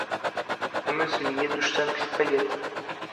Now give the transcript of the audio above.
Amazonina dos Santos Palheta